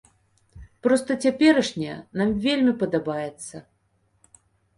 Проста цяперашняя нам вельмі падабаецца.